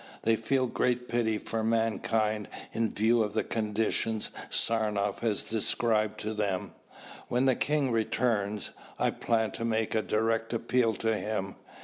They feel great pity for mankind in view of the conditions Saranoff has described to them. When the king returns. I plan to make a direct appeal to him.